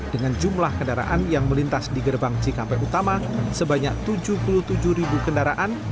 dengan jumlah kendaraan yang melintas di gerbang cikampek utama sebanyak tujuh puluh tujuh ribu kendaraan